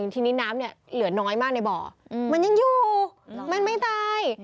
ทีนี้น้ำเนี่ยเหลือน้อยมากในบ่อมันยังอยู่มันไม่ตาย